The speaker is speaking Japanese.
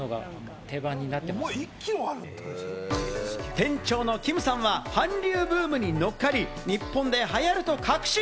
店長のキムさんは韓流ブームに乗っかり、日本で流行ると確信。